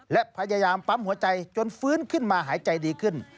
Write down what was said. และพยายามปั๊มหัวใจจนฟื้นขึ้นมาหายใจดีขึ้น